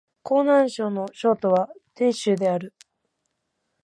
河南省の省都は鄭州である